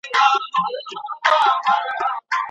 ښوونځی د ټولني کوچنی انځور دی.